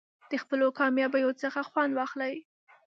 د خپلو کامیابیو څخه خوند واخلئ.